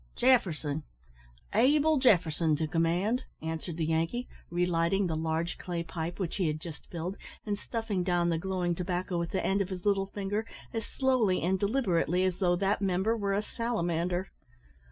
"Jefferson Abel Jefferson to command," answered the Yankee, relighting the large clay pipe which he had just filled, and stuffing down the glowing tobacco with the end of his little finger as slowly and deliberately as though that member were a salamander.